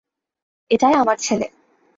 এটাই আমার ছেলে!